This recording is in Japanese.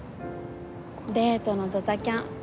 デートのドタキャン